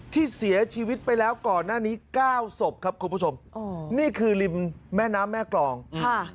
ที่เสียชีวิตไปแล้วก่อนหน้านี้เก้าศพครับคุณผู้ชมอ๋อนี่คือริมแม่น้ำแม่กรองค่ะ